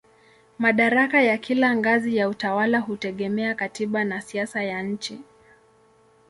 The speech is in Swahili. Madaraka ya kila ngazi ya utawala hutegemea katiba na siasa ya nchi.